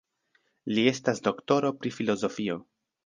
Li estas doktoro pri filozofio.